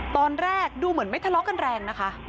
ตอนแรกดูเหมือนไม่ทะเลาะกันแรงนะคะ